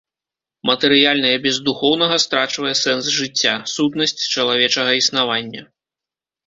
Матэрыяльнае без духоўнага страчвае сэнс жыцця, сутнасць чалавечага існавання.